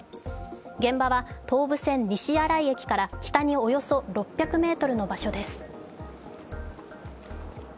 現場は東武線西新井駅から北におよそ６００ｍの場所です。